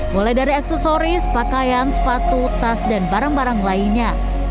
mulai dari aksesoris pakaian sepatu tas dan barang barang lainnya